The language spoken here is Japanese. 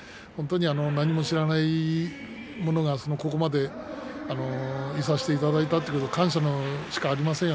何も知らない者がここまでいさせてもらったことに感謝しかありません。